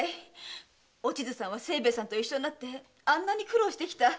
お千津さんは清兵衛さんと一緒になってあんなに苦労した。